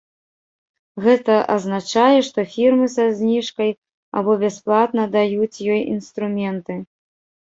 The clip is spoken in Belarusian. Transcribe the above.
Гэта азначае, што фірмы са зніжкай або бясплатна даюць ёй інструменты.